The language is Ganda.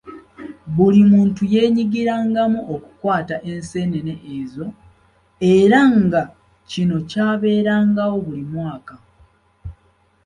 Buli muntu yeenyigirangamu okukwata enseenene ezo, era nga kino kibeerawo buli mwaka.